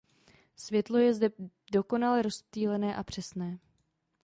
Světlo je zde dokonale rozptýlené a přesné.